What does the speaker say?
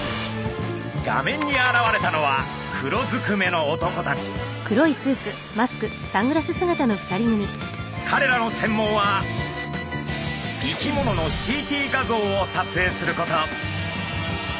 画面に現れたのはかれらの専門は生き物のＣＴ画像を撮影すること。